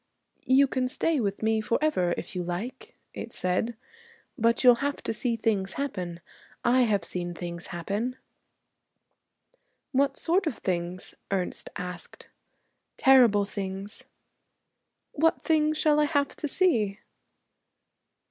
'You can stay with me forever if you like,' it said, 'but you'll have to see things happen. I have seen things happen.' 'What sort of things?' Ernest asked. 'Terrible things.' 'What things shall I have to see?'